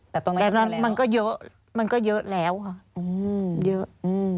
แต่ตรงนั้นมันก็เยอะมันก็เยอะแล้วค่ะเยอะ